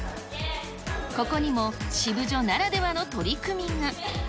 ここにもシブジョならではの取り組みが。